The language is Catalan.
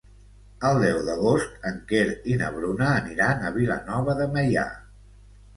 El deu d'agost en Quer i na Bruna aniran a Vilanova de Meià.